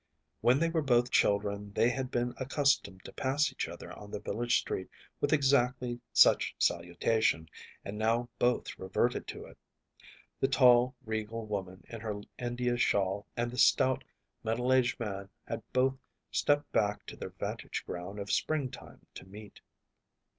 When they were both children they had been accustomed to pass each other on the village street with exactly such salutation, and now both reverted to it. The tall, regal woman in her India shawl and the stout, middle aged man had both stepped back to their vantage ground of springtime to meet.